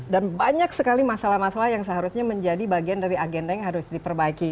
dan banyak sekali masalah masalah yang seharusnya menjadi bagian dari agenda yang harus diperbaiki